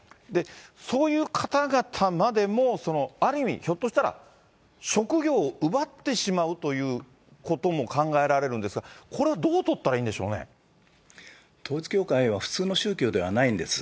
そういう方々までも、ある意味、ひょっとしたら、職業を奪ってしまうということも考えられるんですが、これはどう統一教会は普通の宗教ではないんです。